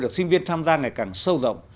được sinh viên tham gia ngày càng sâu rộng